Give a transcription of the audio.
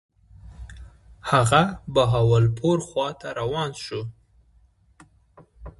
هغه بهاولپور خواته ور روان شو.